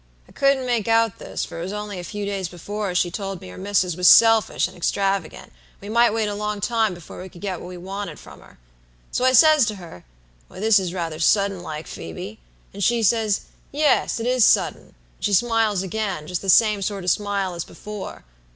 "I couldn't make out this, for it was only a few days before as she'd told me her missus was selfish and extravagant, and we might wait a long time before we could get what we wanted from her. "So I says to her, 'Why, this is rather sudden like, Phoebe;' and she says, 'Yes, it is sudden;' and she smiles again, just the same sort of smile as before.